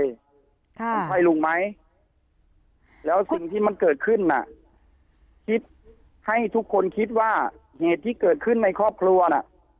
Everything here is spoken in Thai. มันใช่ลุงไหมแล้วสิ่งที่มันเกิดขึ้นน่ะคิดให้ทุกคนคิดว่าเหตุที่เกิดขึ้นในครอบครัวน่ะ